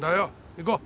行こう。